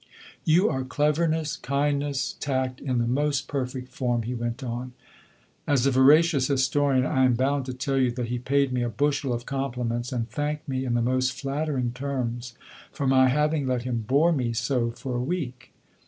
'You are cleverness, kindness, tact, in the most perfect form!' he went on. As a veracious historian I am bound to tell you that he paid me a bushel of compliments, and thanked me in the most flattering terms for my having let him bore me so for a week.